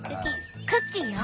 クッキーよ。